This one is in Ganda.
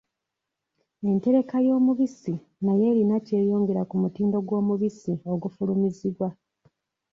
Entereka y'omubisi nayo erina ky'eyongera ku mutindo gw'omubisi ogufulumizibwa.